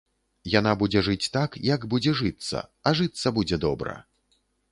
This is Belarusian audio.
Яна будзе жыць так, як будзе жыцца, а жыцца будзе добра.